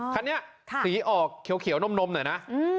คันนี้สีออกเขียวนมหน่อยนะ